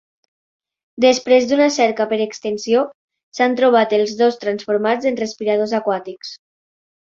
Després d'una cerca per extensió, s'han trobat els dos transformats en respiradors aquàtics.